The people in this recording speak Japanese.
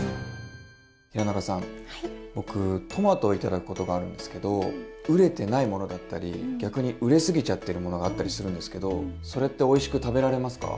平仲さん僕トマトを頂くことがあるんですけど熟れてないものだったり逆に熟れすぎちゃってるものがあったりするんですけどそれっておいしく食べられますか？